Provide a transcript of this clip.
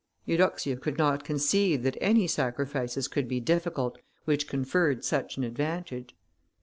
Eudoxia could not conceive that any sacrifices could be difficult which conferred such an advantage.